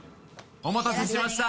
お待たせしました。